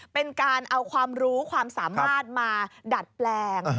เป็นการเอาความรู้ความสามารถมาดัดแปลง